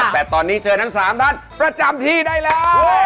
แต่ตอนนี้เจอทั้ง๓ท่านประจำที่ได้แล้ว